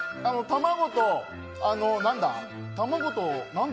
卵と何だ？